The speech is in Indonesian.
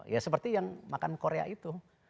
ya seperti yang makan korea itu